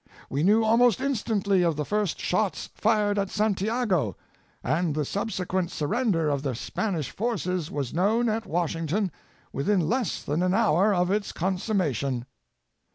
We knew almost instantly of the first shots fired at Santiago, and the subsequent surrender of the Spanish forces was known at Washington within less than an hour of its consummation.